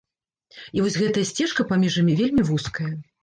І вось гэтая сцежка паміж імі вельмі вузкая.